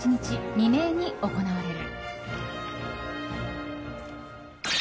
未明に行われる。